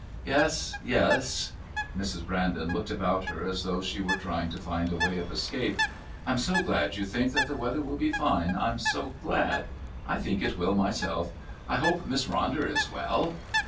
"Yes, yes," Mrs. Brandon looked about her as though she were trying to find a way of escape. "I'm so glad you think that the weather will be fine. I'm so glad. I think it will myself. I hope Miss Ronder is well."